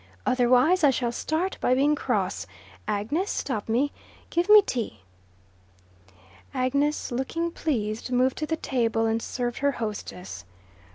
"Otherwise I shall start by being cross. Agnes, stop me. Give me tea." Agnes, looking pleased, moved to the table and served her hostess.